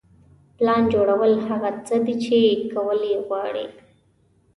پلان جوړول هغه څه دي چې کول یې غواړئ.